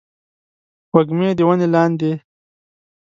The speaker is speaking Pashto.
وږمې د ونې لاندې